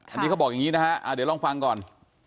อันนี้เขาบอกอย่างนี้นะฮะเดี๋ยวลองฟังก่อน